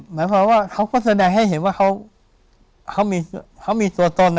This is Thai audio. หมายความว่าเขาก็แสดงให้เห็นว่าเขามีตัวตน